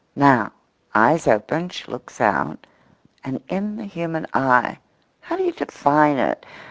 Now, eyes open, she looks out; and in the human eye—how d'you define it?